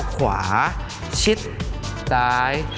ขวาชิดซ้าย